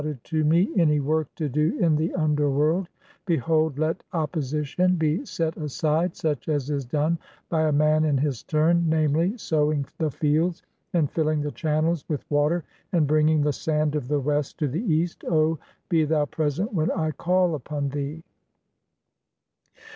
275 "ted to me any work to do in the underworld — behold, let (3) "opposition be set aside — such as is done by a man in his turn, "namely, sowing (4) the fields, and filling the channels with "water, and bringing the (5) sand of the west to the east, O "be thou present when I call unto thee."